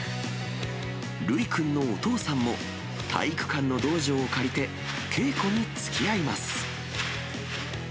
留一君のお父さんも、体育館の道場を借りて稽古につきあいます。